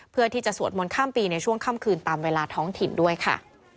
สวดมนต์ข้ามปีในช่วงค่ำคืนตามเวลาท้องถิ่นด้วยค่ะ